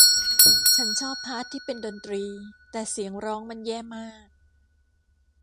ฉันชอบพาร์ทที่เป็นดนตรีแต่เสียงร้องมันแย่มาก